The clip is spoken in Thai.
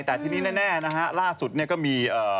แต่ทีนี้แน่นะฮะล่าสุดเนี่ยก็มี